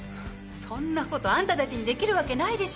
そんなことあんたたちにできるわけないでしょう。